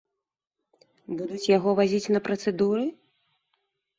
Будуць яго вазіць на працэдуры?